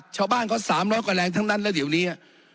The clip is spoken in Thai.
ชาวบ้านเขา๓๐๐กว่าแรงทั้งนั้นแล้วเดี๋ยวนี้